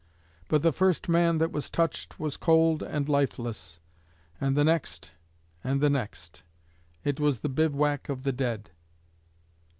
But the first man that was touched was cold and lifeless, and the next, and the next; it was the bivouac of the dead.